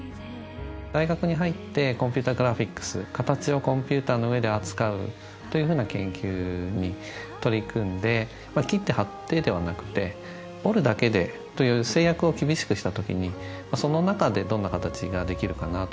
大学に入ってコンピューターグラフィックス形をコンピューターの上で扱うというふうな研究に取り組んでまあ切って貼ってではなくて折るだけでという制約を厳しくしたときにまあその中でどんな形ができるかなと。